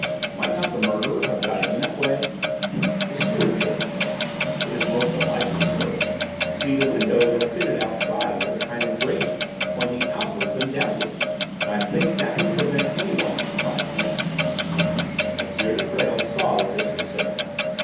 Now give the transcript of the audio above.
"Might not the murderer have got in that way?" The steward shook his head. "It is most unlikely, sir. See: the windows are fitted outside with a kind of grating pointing outwards and downwards, and I think that would prevent anyone from climbing in." M. de Presles saw that this was so.